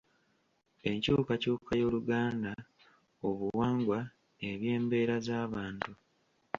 Enkyukakyuka y’Oluganda: obuwangwa, ebyembeera z’abantu